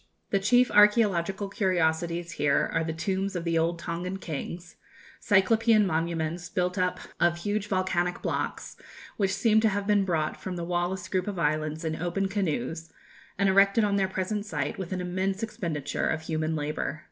The chief archæological curiosities here are the tombs of the old Tongan kings, cyclopean monuments built up of huge volcanic blocks, which seem to have been brought from the Wallis group of islands in open canoes, and erected on their present site with an immense expenditure of human labour.